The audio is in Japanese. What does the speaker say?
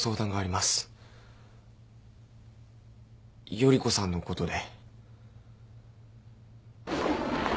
依子さんのことで。